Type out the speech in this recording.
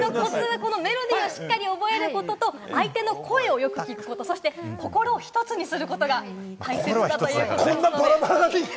ハモリのコツはメロディーをしっかり覚えることと、相手の声をよく聴く事、そして心を一つにすることが大切だということです。